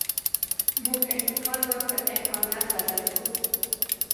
موږ انتقاد په اهانت بدل کړو.